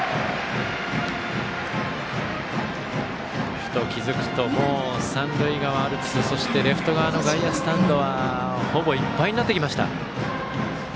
ふと気付くともう三塁側アルプスそしてレフト側の外野スタンドはほぼいっぱいになってきました。